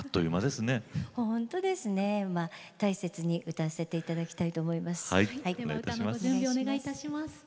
大切に歌わせていただきたいと思います。